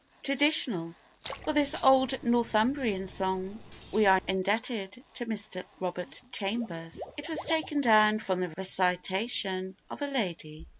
(TRADITIONAL.) [FOR this old Northumbrian song we are indebted to Mr. Robert Chambers. It was taken down from the recitation of a lady.